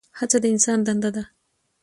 هڅه د انسان دنده ده؟